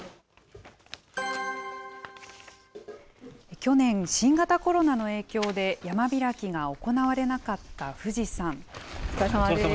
去年、新型コロナの影響で山開きが行われなかった富士山。